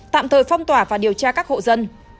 tạm thời phong tỏa và điều tra các hộ dân